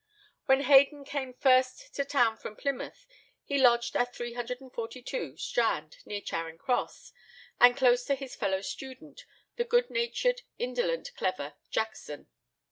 When Haydon came first to town from Plymouth, he lodged at 342 Strand, near Charing Cross, and close to his fellow student, the good natured, indolent, clever Jackson.